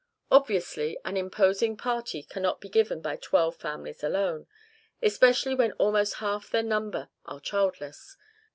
Obviously, an imposing party cannot be given by twelve families alone, especially when almost half their number are childless.